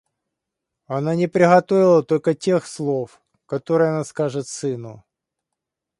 Она не приготовила только тех слов, которые она скажет сыну.